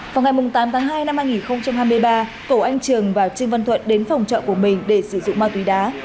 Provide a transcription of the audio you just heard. vào ngày tám tháng hai năm hai nghìn hai mươi ba cổ anh trường và trương văn thuận đến phòng trọ của mình để sử dụng ma túy đá